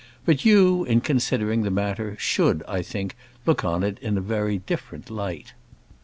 But you, in considering the matter, should, I think, look on it in a very different light.